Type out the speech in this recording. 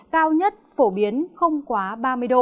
cao nhất phổ biến không quá ba mươi độ